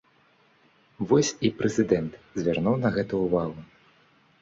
Вось і прэзідэнт звярнуў на гэта ўвагу.